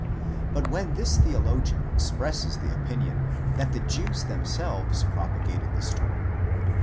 But when this theolo gian expresses the opinion that the Jews themselves propagated the story, that.